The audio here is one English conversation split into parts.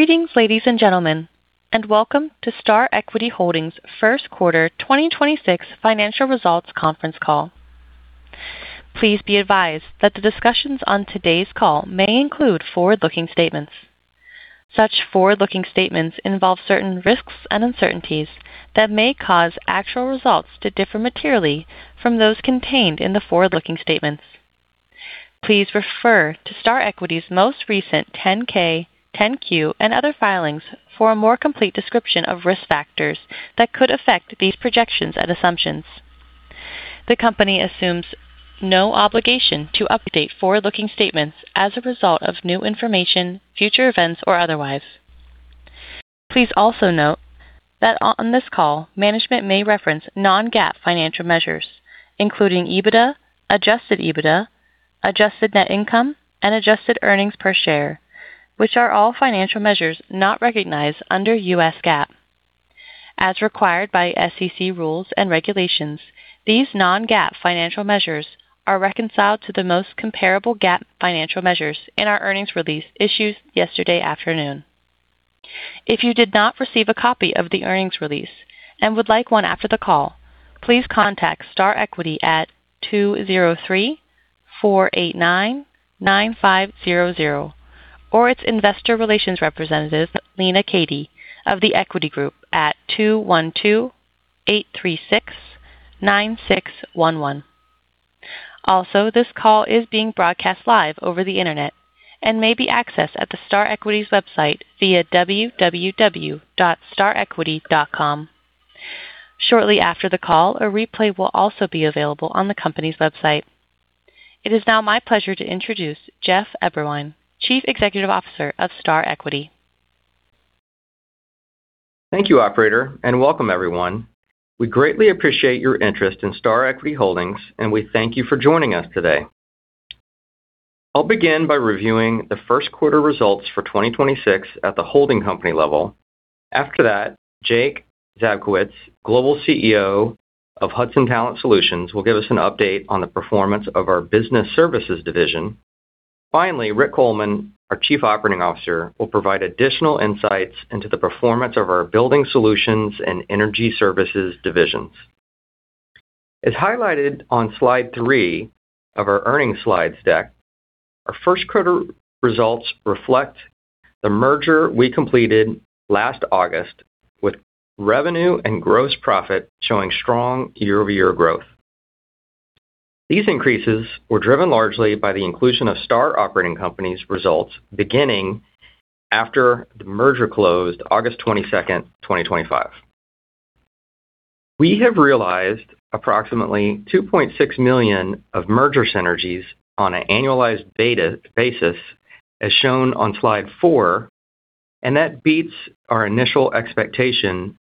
Greetings, ladies and gentlemen, and welcome to Star Equity Holdings' first quarter 2026 financial results conference call. Please be advised that the discussions on today's call may include forward-looking statements. Such forward-looking statements involve certain risks and uncertainties that may cause actual results to differ materially from those contained in the forward-looking statements. Please refer to Star Equity's most recent 10-K, 10-Q, and other filings for a more complete description of risk factors that could affect these projections and assumptions. The company assumes no obligation to update forward-looking statements as a result of new information, future events, or otherwise. Please also note that on this call, management may reference non-GAAP financial measures, including EBITDA, Adjusted EBITDA, adjusted net income, and adjusted earnings per share, which are all financial measures not recognized under U.S. GAAP. As required by SEC rules and regulations, these non-GAAP financial measures are reconciled to the most comparable GAAP financial measures in our earnings release issued yesterday afternoon. If you did not receive a copy of the earnings release and would like one after the call, please contact Star Equity at 203-489-9500, or its investor relations representative, Lena Cati, of The Equity Group at 212-836-9611. This call is being broadcast live over the internet and may be accessed at the Star Equity's website via www.starequity.com. Shortly after the call, a replay will also be available on the company's website. It is now my pleasure to introduce Jeff Eberwein, Chief Executive Officer of Star Equity. Thank you, operator, and welcome everyone. We greatly appreciate your interest in Star Equity Holdings, and we thank you for joining us today. I'll begin by reviewing the first quarter results for 2026 at the holding company level. After that, Jake Zabkowicz, Global CEO of Hudson Talent Solutions, will give us an update on the performance of our business services division. Finally, Rick Coleman, our Chief Operating Officer, will provide additional insights into the performance of our building solutions and energy services divisions. As highlighted on slide three of our earnings slides deck, our first quarter results reflect the merger we completed last August with revenue and gross profit showing strong year-over-year growth. These increases were driven largely by the inclusion of Star operating companies' results beginning after the merger closed August 22nd, 2025. We have realized approximately $2.6 million of merger synergies on an annualized basis, as shown on slide four. That beats our initial expectation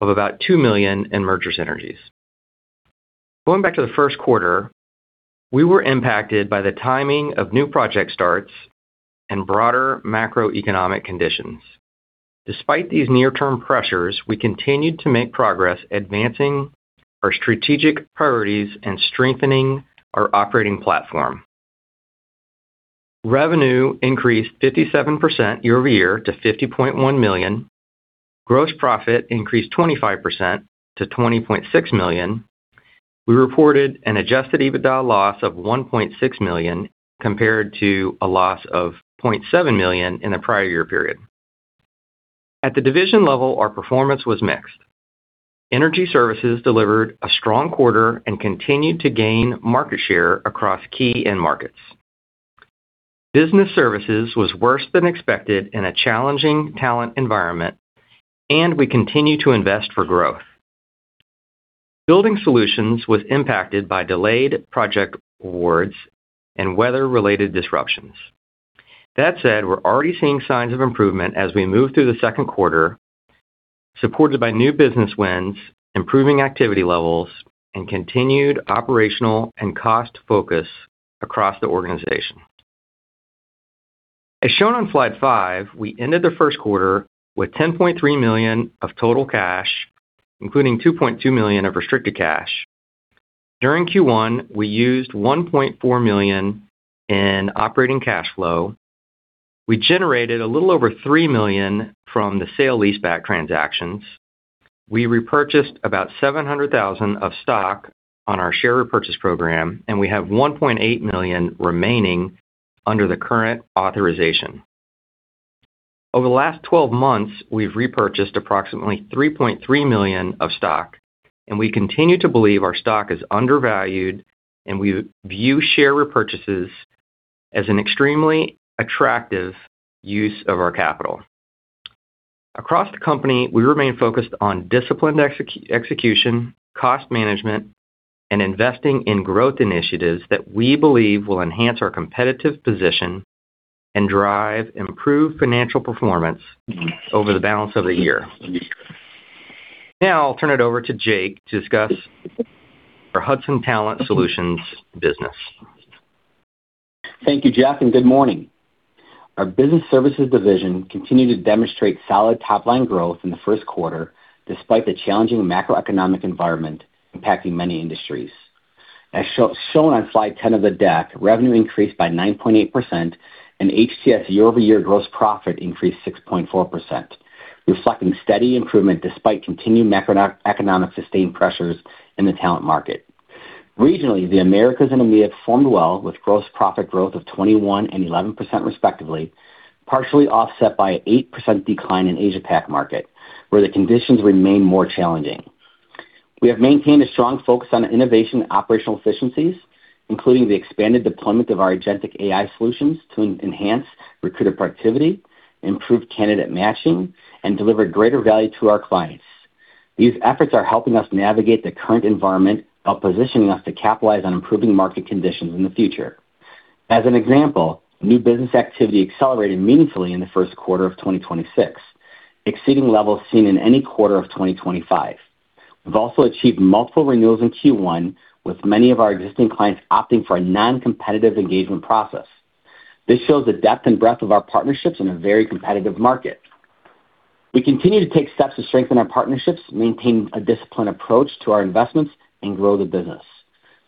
of about $2 million in merger synergies. Going back to the first quarter, we were impacted by the timing of new project starts and broader macroeconomic conditions. Despite these near-term pressures, we continued to make progress advancing our strategic priorities and strengthening our operating platform. Revenue increased 57% year-over-year to $50.1 million. Gross profit increased 25% to $20.6 million. We reported an Adjusted EBITDA loss of $1.6 million compared to a loss of $0.7 million in the prior year period. At the division level, our performance was mixed. Energy services delivered a strong quarter and continued to gain market share across key end markets. Business services was worse than expected in a challenging talent environment, and we continue to invest for growth. Building solutions was impacted by delayed project awards and weather-related disruptions. That said, we're already seeing signs of improvement as we move through the second quarter, supported by new business wins, improving activity levels, and continued operational and cost focus across the organization. As shown on slide five, we ended the first quarter with $10.3 million of total cash, including $2.2 million of restricted cash. During Q1, we used $1.4 million in operating cash flow. We generated a little over $3 million from the sale leaseback transactions. We repurchased about $700,000 of stock on our share repurchase program, and we have $1.8 million remaining under the current authorization. Over the last 12 months, we've repurchased approximately $3.3 million of stock. We continue to believe our stock is undervalued. We view share repurchases as an extremely attractive use of our capital. Across the company, we remain focused on disciplined execution, cost management, and investing in growth initiatives that we believe will enhance our competitive position and drive improved financial performance over the balance of the year. I'll turn it over to Jake to discuss our Hudson Talent Solutions business. Thank you, Jeff, and good morning. Our business services division continued to demonstrate solid top-line growth in the first quarter, despite the challenging macroeconomic environment impacting many industries. As shown on slide 10 of the deck, revenue increased by 9.8% and HTS year-over-year gross profit increased 6.4%, reflecting steady improvement despite continued macro-economic sustained pressures in the talent market. Regionally, the Americas and EMEA formed well with gross profit growth of 21% and 11% respectively, partially offset by an 8% decline in Asia Pac market, where the conditions remain more challenging. We have maintained a strong focus on innovation and operational efficiencies, including the expanded deployment of our agentic AI solutions to enhance recruiter productivity, improve candidate matching, and deliver greater value to our clients. These efforts are helping us navigate the current environment while positioning us to capitalize on improving market conditions in the future. As an example, new business activity accelerated meaningfully in the first quarter of 2026, exceeding levels seen in any quarter of 2025. We've also achieved multiple renewals in Q1, with many of our existing clients opting for a non-competitive engagement process. This shows the depth and breadth of our partnerships in a very competitive market. We continue to take steps to strengthen our partnerships, maintain a disciplined approach to our investments, and grow the business.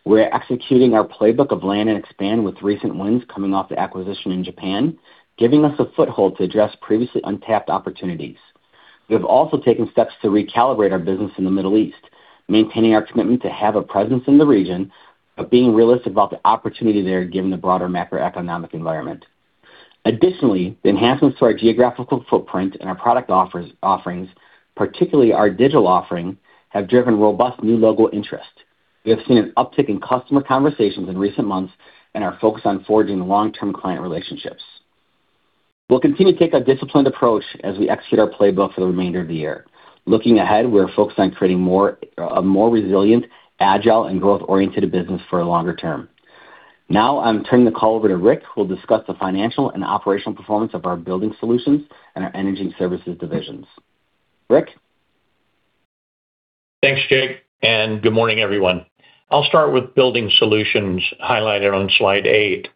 We're executing our playbook of land and expand with recent wins coming off the acquisition in Japan, giving us a foothold to address previously untapped opportunities. We have also taken steps to recalibrate our business in the Middle East, maintaining our commitment to have a presence in the region, but being realistic about the opportunity there, given the broader macroeconomic environment. The enhancements to our geographical footprint and our product offerings, particularly our digital offering, have driven robust new logo interest. We have seen an uptick in customer conversations in recent months and are focused on forging long-term client relationships. We'll continue to take a disciplined approach as we execute our playbook for the remainder of the year. Looking ahead, we're focused on creating a more resilient, agile, and growth-oriented business for a longer term. I'm turning the call over to Rick, who will discuss the financial and operational performance of our building solutions and our energy services divisions. Rick. Thanks, Jake, and good morning, everyone. I'll start with building solutions highlighted on slide eight.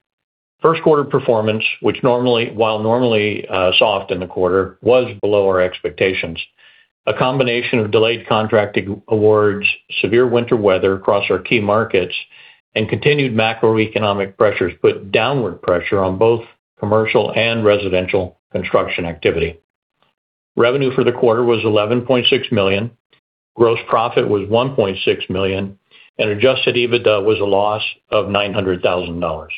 First quarter performance, while normally soft in the quarter, was below our expectations. A combination of delayed contracting awards, severe winter weather across our key markets, and continued macroeconomic pressures put downward pressure on both commercial and residential construction activity. Revenue for the quarter was $11.6 million, gross profit was $1.6 million, and Adjusted EBITDA was a loss of $900,000.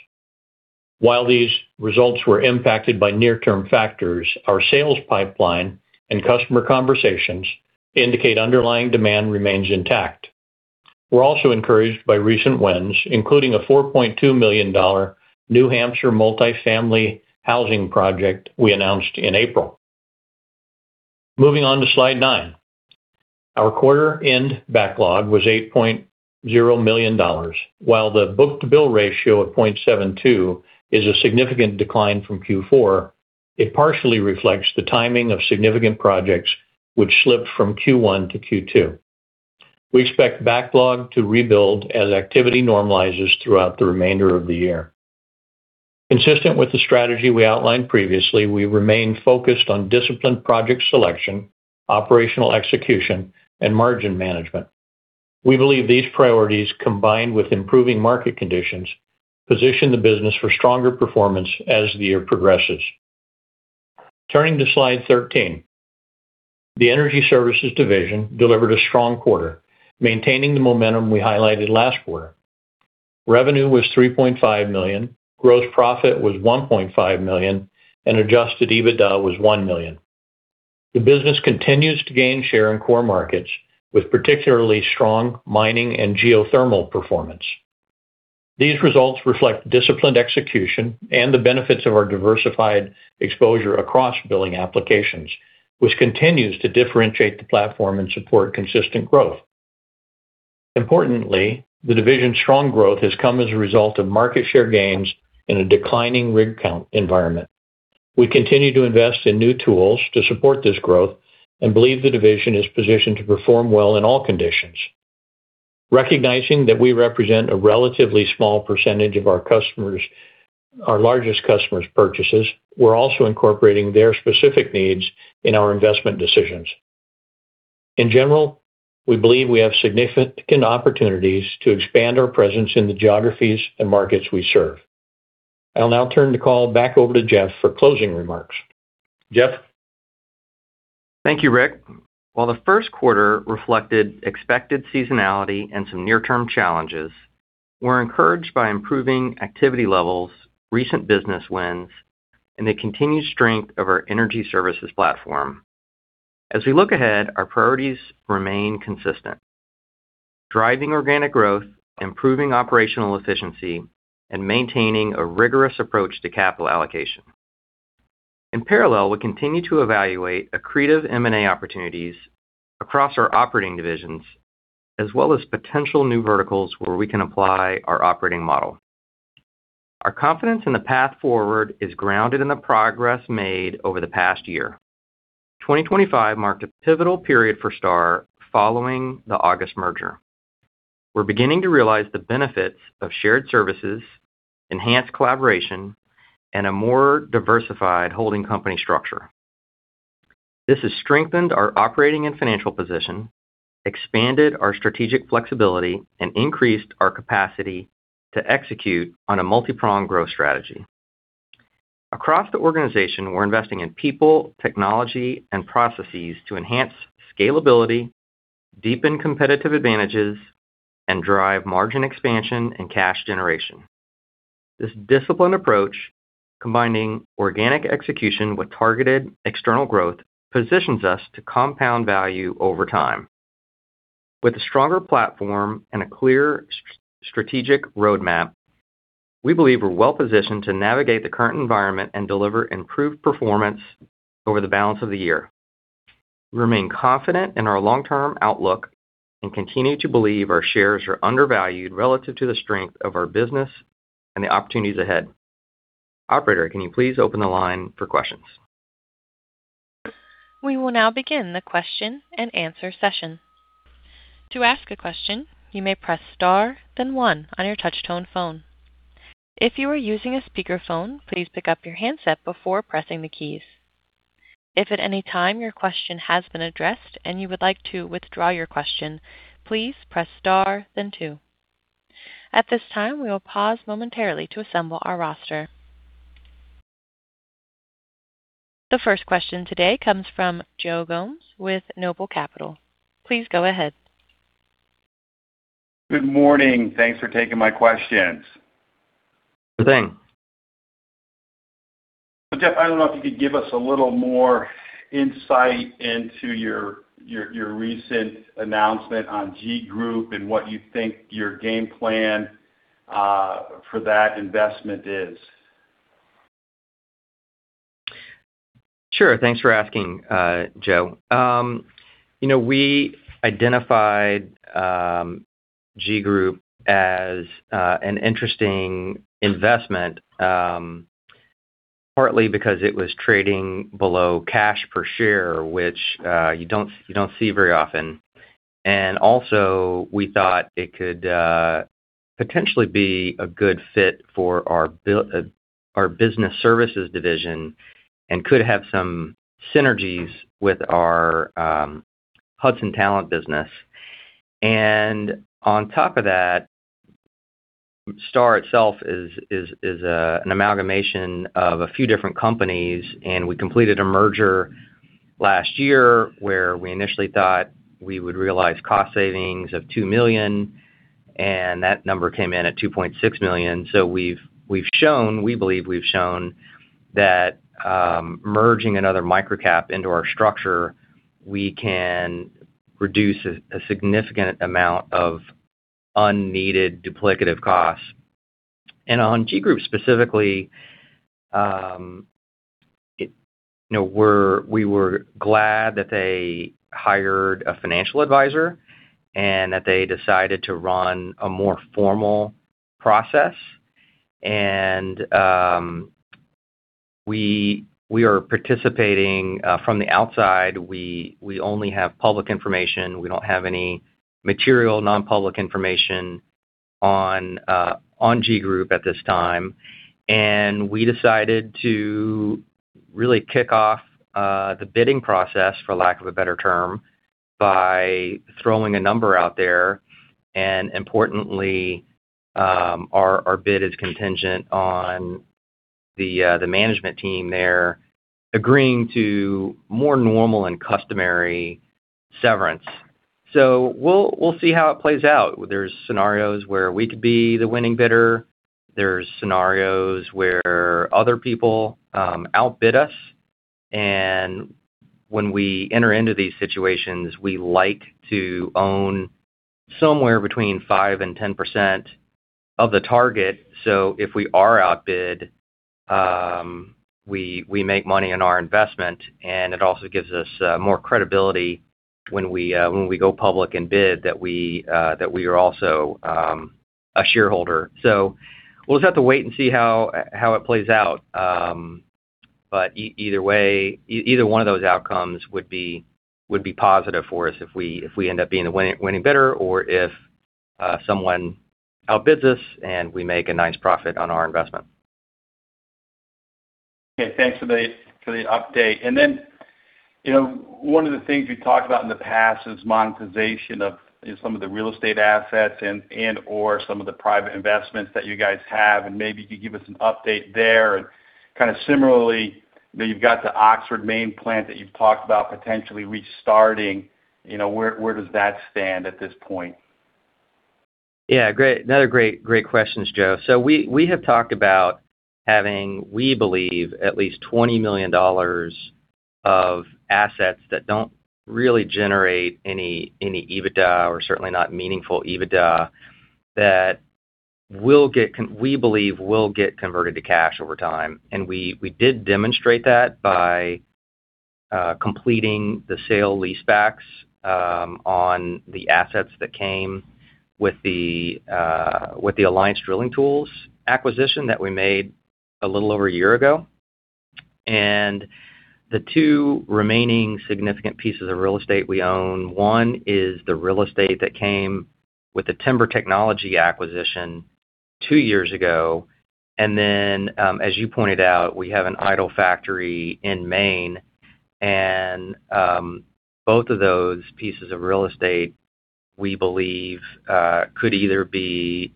While these results were impacted by near-term factors, our sales pipeline and customer conversations indicate underlying demand remains intact. We're also encouraged by recent wins, including a $4.2 million New Hampshire multifamily housing project we announced in April. Moving on to slide nine. Our quarter-end backlog was $8.0 million. While the book-to-bill ratio of 0.72 is a significant decline from Q4, it partially reflects the timing of significant projects which slipped from Q1 to Q2. We expect backlog to rebuild as activity normalizes throughout the remainder of the year. Consistent with the strategy we outlined previously, we remain focused on disciplined project selection, operational execution, and margin management. We believe these priorities, combined with improving market conditions, position the business for stronger performance as the year progresses. Turning to slide 13, the energy services division delivered a strong quarter, maintaining the momentum we highlighted last quarter. Revenue was $3.5 million, gross profit was $1.5 million, and Adjusted EBITDA was $1 million. The business continues to gain share in core markets with particularly strong mining and geothermal performance. These results reflect disciplined execution and the benefits of our diversified exposure across drilling applications, which continues to differentiate the platform and support consistent growth. Importantly, the division's strong growth has come as a result of market share gains in a declining rig count environment. We continue to invest in new tools to support this growth and believe the division is positioned to perform well in all conditions. Recognizing that we represent a relatively small percentage of our largest customers' purchases, we're also incorporating their specific needs in our investment decisions. In general, we believe we have significant opportunities to expand our presence in the geographies and markets we serve. I'll now turn the call back over to Jeff for closing remarks. Jeff? Thank you, Rick. While the 1st quarter reflected expected seasonality and some near-term challenges, we're encouraged by improving activity levels, recent business wins, and the continued strength of our energy services platform. We look ahead, our priorities remain consistent: driving organic growth, improving operational efficiency, and maintaining a rigorous approach to capital allocation. In parallel, we continue to evaluate accretive M&A opportunities across our operating divisions, as well as potential new verticals where we can apply our operating model. Our confidence in the path forward is grounded in the progress made over the past year. 2025 marked a pivotal period for STAR following the August merger. We're beginning to realize the benefits of shared services, enhanced collaboration, and a more diversified holding company structure. This has strengthened our operating and financial position, expanded our strategic flexibility, and increased our capacity to execute on a multi-pronged growth strategy. Across the organization, we're investing in people, technology, and processes to enhance scalability, deepen competitive advantages, and drive margin expansion and cash generation. This disciplined approach, combining organic execution with targeted external growth, positions us to compound value over time. With a stronger platform and a clear strategic roadmap, we believe we're well positioned to navigate the current environment and deliver improved performance over the balance of the year. We remain confident in our long-term outlook and continue to believe our shares are undervalued relative to the strength of our business and the opportunities ahead. Operator, can you please open the line for questions? We will now begin the question and answer session. The first question today comes from Joe Gomes with Noble Capital. Please go ahead. Good morning. Thanks for taking my questions. Good day. Jeff, I don't know if you could give us a little more insight into your recent announcement on GEE Group and what you think your game plan for that investment is? Sure. Thanks for asking, Joe. You know, we identified GEE Group as an interesting investment, partly because it was trading below cash per share, which you don't, you don't see very often. Also, we thought it could potentially be a good fit for our business services division and could have some synergies with our Hudson Talent business. On top of that, Star itself is an amalgamation of a few different companies, and we completed a merger last year where we initially thought we would realize cost savings of $2 million, and that number came in at $2.6 million. We've shown, we believe we've shown that, merging another microcap into our structure, we can reduce a significant amount of unneeded duplicative costs. On GEE Group specifically, you know, we were glad that they hired a financial advisor and that they decided to run a more formal process. We are participating from the outside. We only have public information. We don't have any material, non-public information on GEE Group at this time. We decided to really kick off the bidding process, for lack of a better term, by throwing a number out there, and importantly, our bid is contingent on the management team there agreeing to more normal and customary severance. We'll see how it plays out. There's scenarios where we could be the winning bidder. There's scenarios where other people outbid us. When we enter into these situations, we like to own somewhere between 5% and 10% of the target. If we are outbid, we make money on our investment, and it also gives us more credibility when we, when we go public and bid that we, that we are also a shareholder. We'll just have to wait and see how it plays out. Either way, either one of those outcomes would be positive for us if we end up being the winning bidder or if someone outbids us and we make a nice profit on our investment. Okay. Thanks for the, for the update. Then, you know, one of the things we've talked about in the past is monetization of some of the real estate assets and/or some of the private investments that you guys have, and maybe you could give us an update there. Kind of similarly, you know, you've got the Oxford, Maine plant that you've talked about potentially restarting. You know, where does that stand at this point? Yeah, great. Another great questions, Joe. We have talked about having, we believe, at least $20 million of assets that don't really generate any EBITDA, or certainly not meaningful EBITDA, that we believe will get converted to cash over time. We did demonstrate that by completing the sale leasebacks on the assets that came with the Alliance Drilling Tools acquisition that we made a little over a year ago. The two remaining significant pieces of real estate we own, one is the real estate that came with the Timber Technologies acquisition two years ago. As you pointed out, we have an idle factory in Maine. Both of those pieces of real estate, we believe, could either be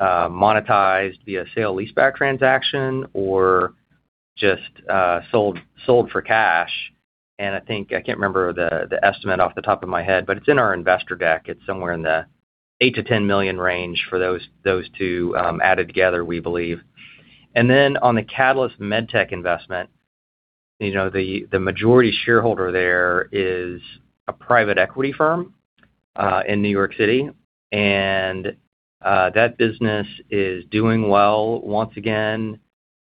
monetized via sale leaseback transaction or just sold for cash. I think, I can't remember the estimate off the top of my head, but it's in our investor deck. It's somewhere in the $8 million-$10 million range for those two added together, we believe. On the Catalyst MedTech investment, you know, the majority shareholder there is a private equity firm in New York City. That business is doing well once again,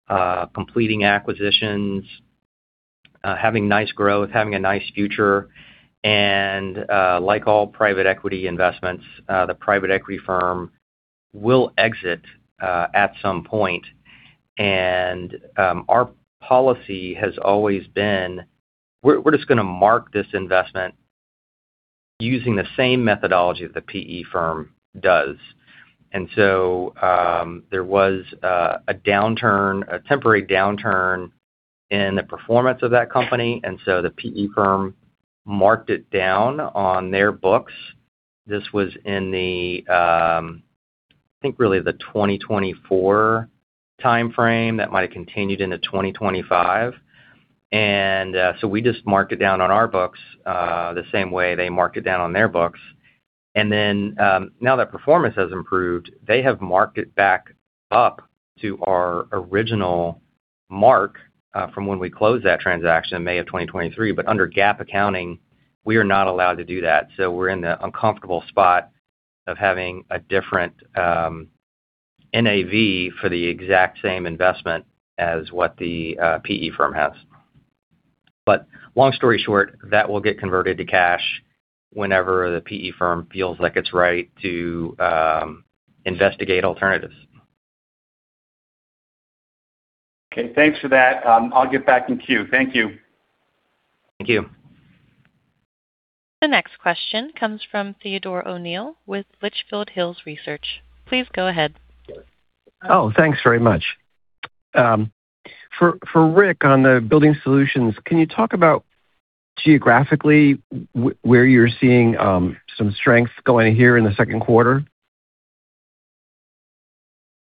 completing acquisitions, having nice growth, having a nice future. Like all private equity investments, the private equity firm will exit at some point. Our policy has always been we're just gonna mark this investment using the same methodology that the PE firm does. There was a downturn, a temporary downturn in the performance of that company, so the PE firm marked it down on their books. This was in the, I think really the 2024 timeframe that might have continued into 2025. We just marked it down on our books the same way they marked it down on their books. Now that performance has improved, they have marked it back up to our original mark from when we closed that transaction in May of 2023. Under GAAP accounting, we are not allowed to do that. We're in the uncomfortable spot of having a different NAV for the exact same investment as what the PE firm has. Long story short, that will get converted to cash whenever the PE firm feels like it's right to investigate alternatives. Okay, thanks for that. I'll get back in queue. Thank you. Thank you. The next question comes from Theodore O'Neill with Litchfield Hills Research. Please go ahead. Oh, thanks very much. For Rick on the building solutions, can you talk about geographically where you're seeing some strength going here in the second quarter?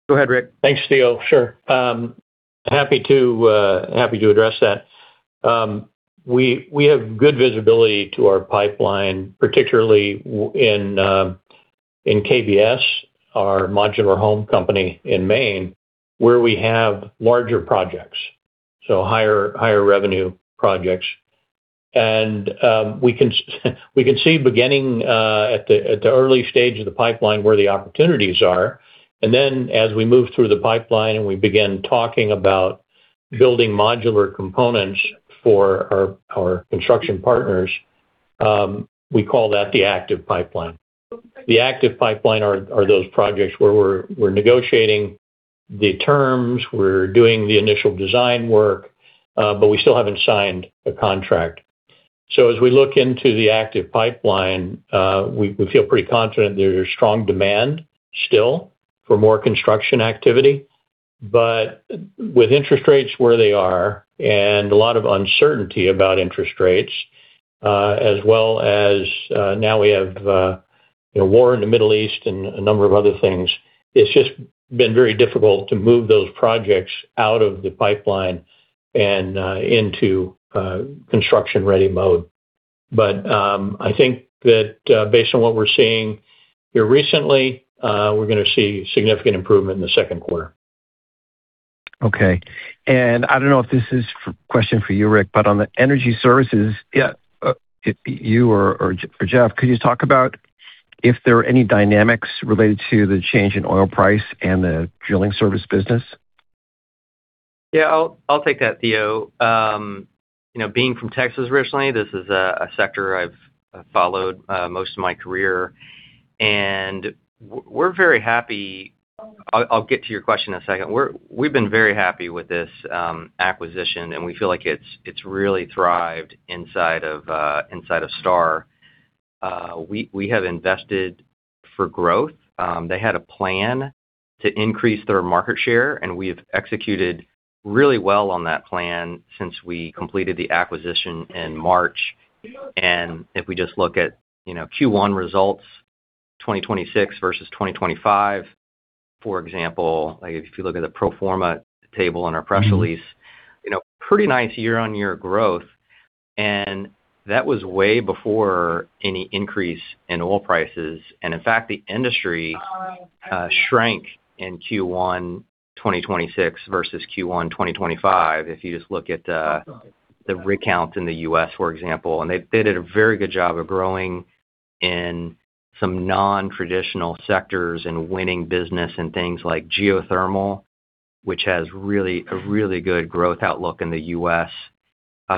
Go ahead, Rick. Thanks, Theo. Sure. Happy to address that. We have good visibility to our pipeline, particularly in KBS, our modular home company in Maine, where we have larger projects, so higher revenue projects. We can see beginning at the early stage of the pipeline where the opportunities are. As we move through the pipeline and we begin talking about building modular components for our construction partners, we call that the active pipeline. The active pipeline are those projects where we're negotiating the terms, we're doing the initial design work, but we still haven't signed a contract. As we look into the active pipeline, we feel pretty confident there's strong demand still for more construction activity. With interest rates where they are and a lot of uncertainty about interest rates, as well as, now we have, you know, war in the Middle East and a number of other things, it's just been very difficult to move those projects out of the pipeline and into construction-ready mode. I think that, based on what we're seeing here recently, we're gonna see significant improvement in the second quarter. Okay. I don't know if this is question for you, Rick, but on the energy services, you or for Jeff, could you talk about if there are any dynamics related to the change in oil price and the drilling service business? Yeah, I'll take that, Theo. You know, being from Texas originally, this is a sector I've followed most of my career. We're very happy I'll get to your question in a second. We've been very happy with this acquisition, and we feel like it's really thrived inside of Star. We have invested for growth. They had a plan to increase their market share, and we've executed really well on that plan since we completed the acquisition in March. If we just look at, you know, Q1 results, 2026 versus 2025, for example, like if you look at the pro forma table on our press release, you know, pretty nice year-on-year growth, and that was way before any increase in oil prices. In fact, the industry shrank in Q1 2026 versus Q1 2025, if you just look at the rig count in the U.S., for example. They did a very good job of growing in some non-traditional sectors and winning business in things like geothermal, which has a really good growth outlook in the U.S.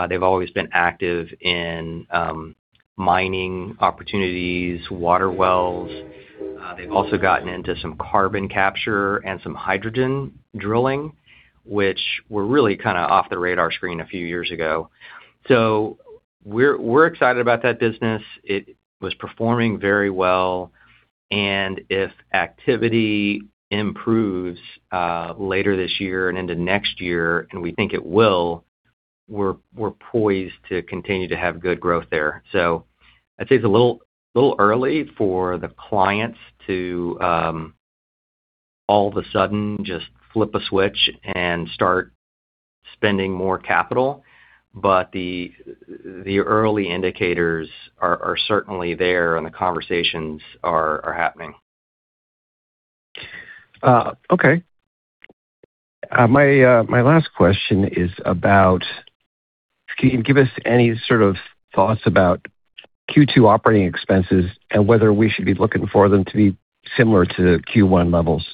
They've always been active in mining opportunities, water wells. They've also gotten into some carbon capture and some hydrogen drilling, which were really kind of off the radar screen a few years ago. We're excited about that business. It was performing very well. If activity improves later this year and into next year, and we think it will, we're poised to continue to have good growth there. I'd say it's a little early for the clients to all of a sudden just flip a switch and start spending more capital. The early indicators are certainly there, and the conversations are happening. Okay. My last question is about can you give us any sort of thoughts about Q2 operating expenses and whether we should be looking for them to be similar to Q1 levels?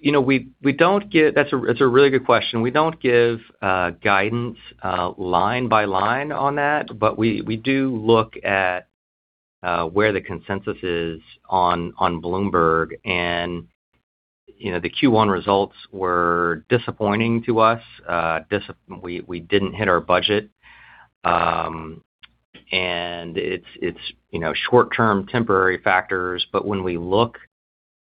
You know, that's a really good question. We don't give guidance line by line on that. We do look at where the consensus is on Bloomberg. You know, the Q1 results were disappointing to us. We didn't hit our budget. You know, short term temporary factors. When we look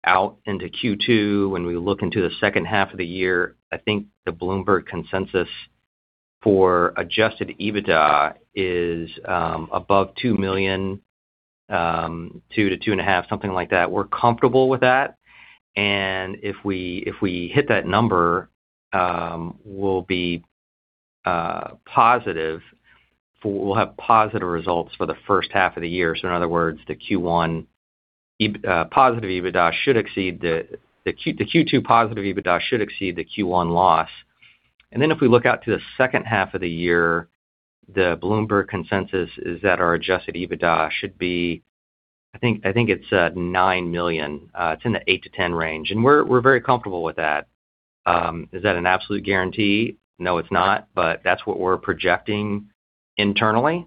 out into Q2, when we look into the second half of the year, I think the Bloomberg consensus for Adjusted EBITDA is above $2 million, $2 million-$2.5 million, something like that. We're comfortable with that. If we hit that number, we'll have positive results for the first half of the year. In other words, the Q2 positive EBITDA should exceed the Q1 loss. If we look out to the second half of the year, the Bloomberg consensus is that our Adjusted EBITDA should be $9 million. It's in the $8 million-$10 million range. We're very comfortable with that. Is that an absolute guarantee? No, it's not. That's what we're projecting internally.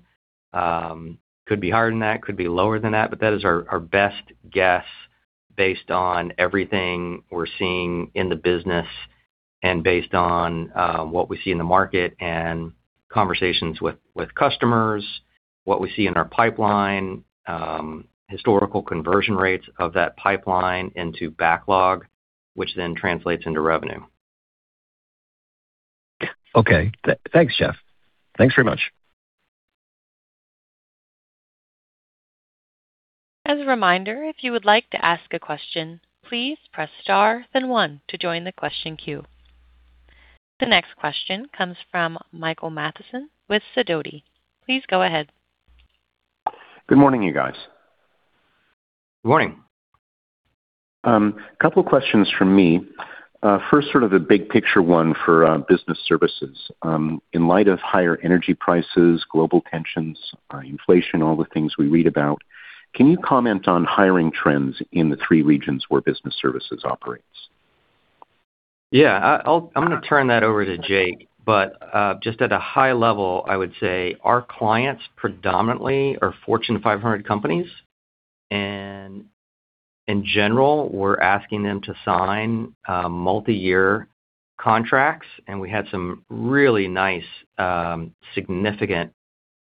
Could be higher than that, could be lower than that, but that is our best guess based on everything we're seeing in the business and based on what we see in the market and conversations with customers, what we see in our pipeline, historical conversion rates of that pipeline into backlog, which then translates into revenue. Okay. Thanks, Jeff. Thanks very much. As a reminder, if you would like to ask a question, please press star one to join the question queue. The next question comes from Michael Mathison with Sidoti. Please go ahead. Good morning, you guys. Good morning. Couple questions from me. First sort of the big picture one for Business Services. In light of higher energy prices, global tensions, inflation, all the things we read about, can you comment on hiring trends in the three regions where Business Services operates? Yeah, I'm gonna turn that over to Jake. Just at a high level, I would say our clients predominantly are Fortune 500 companies. In general, we're asking them to sign multi-year contracts, and we had some really nice, significant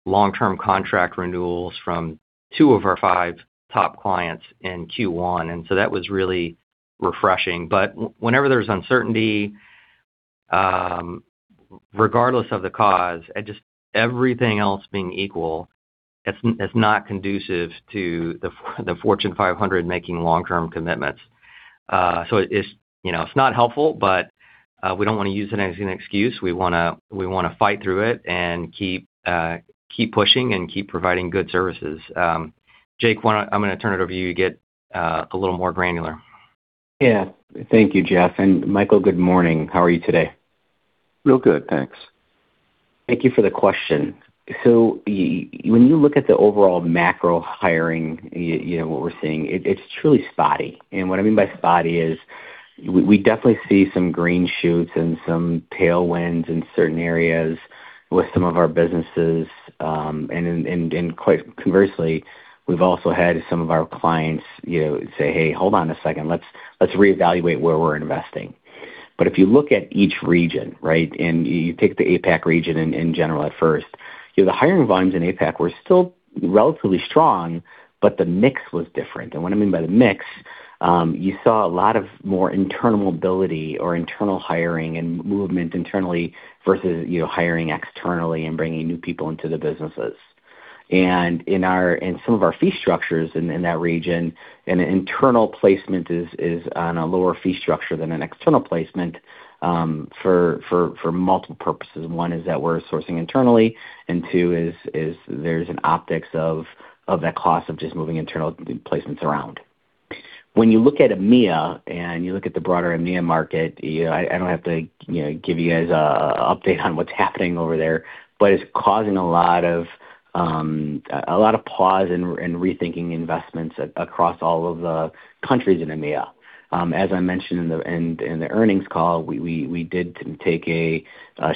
long-term contract renewals from two of our five top clients in Q1. That was really refreshing. Whenever there's uncertainty, regardless of the cause, just everything else being equal, it's not conducive to the Fortune 500 making long-term commitments. It's, you know, it's not helpful, but we don't wanna use it as an excuse. We wanna fight through it and keep pushing and keep providing good services. Jake, why don't I'm gonna turn it over to you to get a little more granular. Yeah. Thank you, Jeff. Michael, good morning. How are you today? Real good, thanks. Thank you for the question. When you look at the overall macro hiring, you know, what we're seeing, it's truly spotty. What I mean by spotty is we definitely see some green shoots and some tailwinds in certain areas with some of our businesses. Quite conversely, we've also had some of our clients, you know, say, "Hey, hold on a second. Let's reevaluate where we're investing." If you look at each region, right? You take the APAC region in general at first, you know, the hiring volumes in APAC were still relatively strong, but the mix was different. What I mean by the mix, you saw a lot of more internal mobility or internal hiring and movement internally versus, you know, hiring externally and bringing new people into the businesses. In some of our fee structures in that region, an internal placement is on a lower fee structure than an external placement for multiple purposes. One is that we're sourcing internally, and two is there's an optics of that cost of just moving internal placements around. When you look at EMEA and you look at the broader EMEA market, you know, I don't have to, you know, give you guys a update on what's happening over there, but it's causing a lot of pause and rethinking investments across all of the countries in EMEA. As I mentioned in the earnings call, we did take a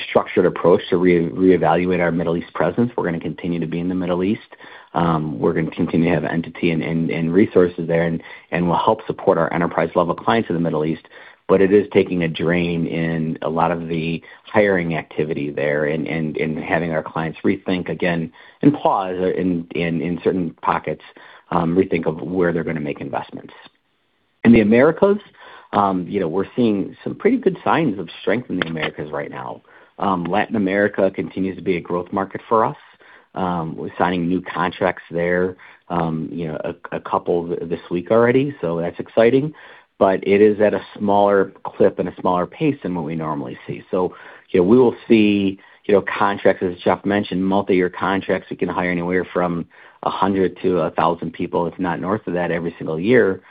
structured approach to reevaluate our Middle East presence. We're gonna continue to be in the Middle East. We're gonna continue to have entity and resources there, and we'll help support our enterprise-level clients in the Middle East. It is taking a drain in a lot of the hiring activity there and having our clients rethink again and pause in certain pockets, rethink of where they're gonna make investments. In the Americas, you know, we're seeing some pretty good signs of strength in the Americas right now. Latin America continues to be a growth market for us. We're signing new contracts there, you know, a couple this week already, that's exciting. It is at a smaller clip and a smaller pace than what we normally see. You know, we will see, you know, contracts, as Jeff mentioned, multi-year contracts. We can hire anywhere from 100 to 1,000 people, if not north of that every single year.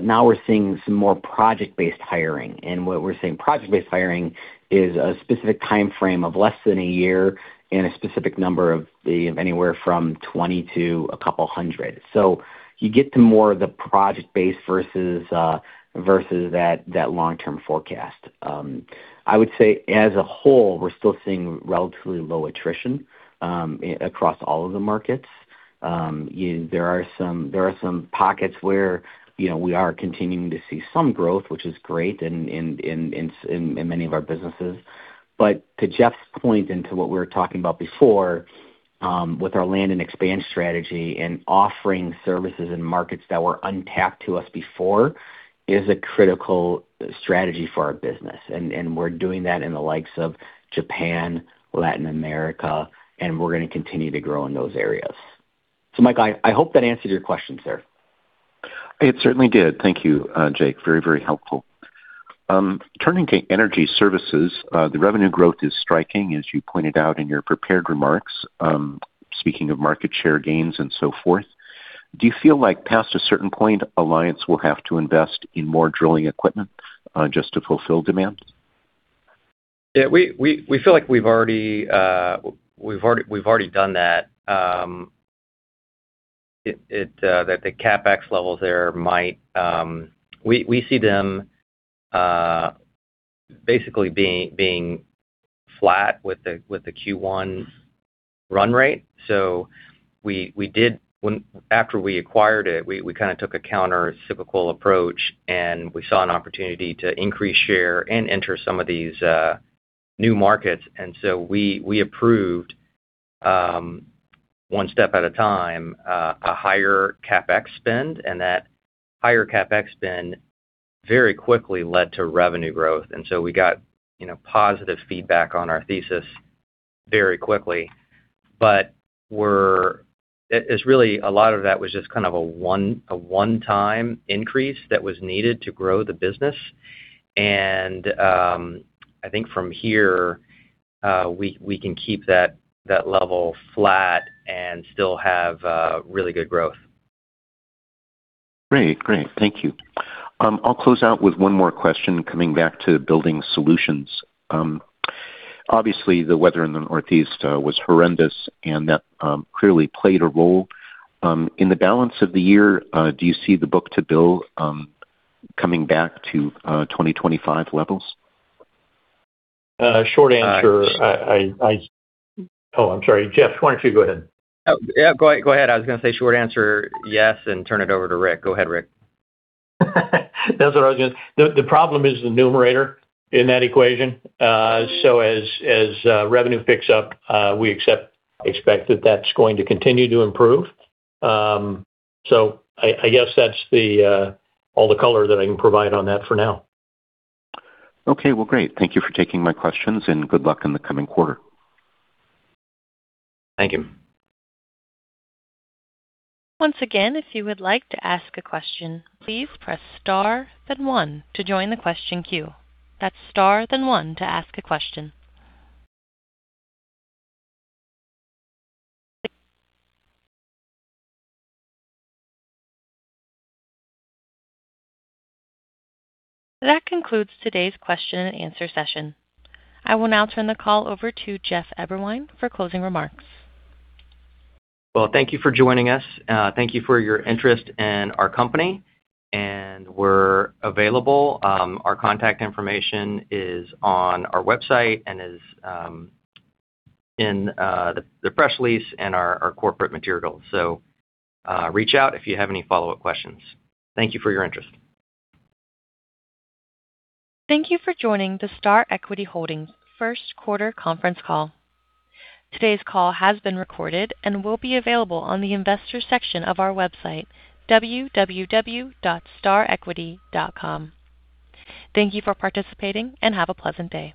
Now we're seeing some more project-based hiring. What we're seeing project-based hiring is a specific timeframe of less than a year and a specific number anywhere from 20 to a couple hundred. You get to more of the project-based versus versus that long-term forecast. I would say as a whole, we're still seeing relatively low attrition across all of the markets. There are some pockets where, you know, we are continuing to see some growth, which is great in many of our businesses. To Jeff's point and to what we were talking about before, with our land and expand strategy and offering services in markets that were untapped to us before, is a critical strategy for our business. We're doing that in the likes of Japan, Latin America, and we're gonna continue to grow in those areas. Mike, I hope that answered your questions there. It certainly did. Thank you, Jake. Very, very helpful. Turning to energy services, the revenue growth is striking, as you pointed out in your prepared remarks, speaking of market share gains and so forth. Do you feel like past a certain point, Alliance will have to invest in more drilling equipment, just to fulfill demand? Yeah. We feel like we've already done that. We see them basically being flat with the Q1 run rate. We did. After we acquired it, we kinda took a countercyclical approach, and we saw an opportunity to increase share and enter some of these new markets. We approved one step at a time, a higher CapEx spend, and that higher CapEx spend very quickly led to revenue growth. We got, you know, positive feedback on our thesis very quickly. It is really a lot of that was just kind of a one-time increase that was needed to grow the business. I think from here, we can keep that level flat and still have really good growth. Great. Thank you. I'll close out with one more question coming back to building solutions. Obviously, the weather in the Northeast was horrendous, and that clearly played a role. In the balance of the year, do you see the book-to-bill coming back to 2025 levels? Short answer, I Oh, I'm sorry. Jeff, why don't you go ahead? Oh, yeah, go ahead. I was gonna say short answer, yes, and turn it over to Rick. Go ahead, Rick. The problem is the numerator in that equation. As revenue picks up, we expect that that's going to continue to improve. I guess that's the, all the color that I can provide on that for now. Okay. Well, great. Thank you for taking my questions. Good luck in the coming quarter. Thank you. Once again, if you would like to ask a question, please press star then one to join the question queue. That's star then one to ask a question. That concludes today's question and answer session. I will now turn the call over to Jeff Eberwein for closing remarks. Well, thank you for joining us. Thank you for your interest in our company. We're available. Our contact information is on our website and is in the press release and our corporate material. Reach out if you have any follow-up questions. Thank you for your interest. Thank you for joining the Star Equity Holdings first quarter conference call. Today's call has been recorded and will be available on the investors section of our website, www.starequity.com. Thank you for participating, and have a pleasant day.